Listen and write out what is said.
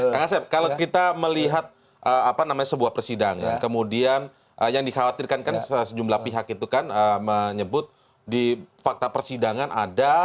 kang asep kalau kita melihat sebuah persidangan kemudian yang dikhawatirkan kan sejumlah pihak itu kan menyebut di fakta persidangan ada